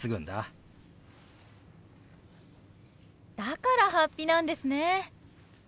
だから法被なんですね！